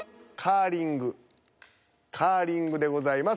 「カーリング」でございます。